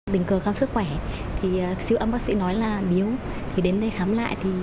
tình cờ khám sức khỏe thì siêu âm bác sĩ nói là miếu